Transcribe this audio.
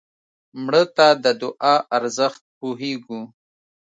مړه ته د دعا ارزښت پوهېږو